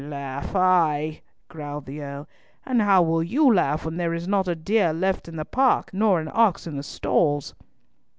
"Laugh, ay," growled the Earl; "and how will you laugh when there is not a deer left in the park, nor an ox in the stalls?"